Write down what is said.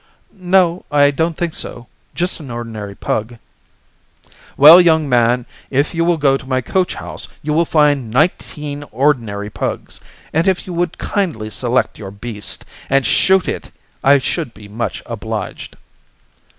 "No, I don't think so. Just an ordinary pug." "Well, young man, if you will go to my coachhouse, you will find nineteen ordinary pugs; and if you would kindly select your beast, and shoot it, I should be much obliged."